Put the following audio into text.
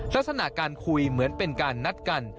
ลักษณะการคุยเหมือนเป็นการนัดกัน